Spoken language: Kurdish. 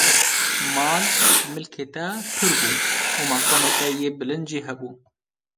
mal, milkê te pir bû û meqamê te yê bilind jî hebû.